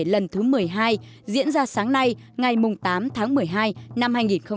lần thứ một mươi hai diễn ra sáng nay ngày tám tháng một mươi hai năm hai nghìn hai mươi